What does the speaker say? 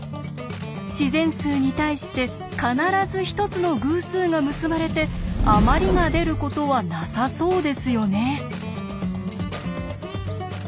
自然数に対して必ず１つの偶数が結ばれて「あまり」が出ることはなさそうですよね。